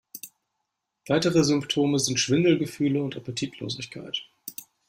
Weitere Symptome sind Schwindelgefühle und Appetitlosigkeit.